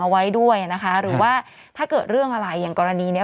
ไว้ด้วยนะคะหรือว่าถ้าเกิดเรื่องอะไรอย่างกรณีเนี้ย